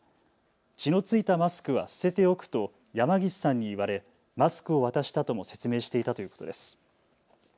血の付いたマスクは捨てておくと山岸さんに言われマスクを渡したとも説明していたということです。